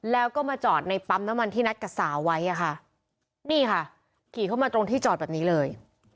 แล้วก็มาจอดในปั๊มน้ำมันที่นัดกับสาวไว้อะค่ะนี่ค่ะขี่เข้ามาตรงที่จอดแบบนี้เลย